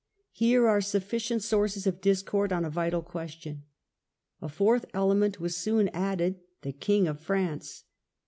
Here were sufficient sources of discord on a vital question; a fourth element was soon added — the King of France.